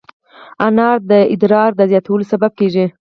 انار د ادرار د زیاتوالي سبب کېږي.